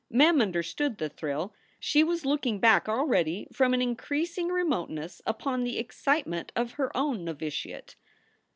Mem understood the thrill. She was looking back already from an increasing remoteness upon the excitement of her own novitiate.